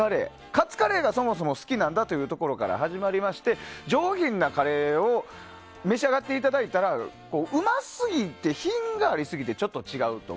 カツカレーがそもそも好きなんだというところから始まりまして上品なカレーを召し上がっていただいたらうますぎて、品がありすぎてちょっと違うと。